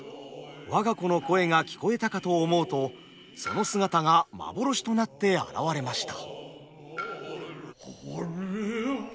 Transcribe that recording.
我が子の声が聞こえたかと思うとその姿が幻となって現れました。